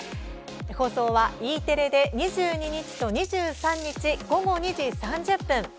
放送は、Ｅテレで２２日と２３日午後２時３０分。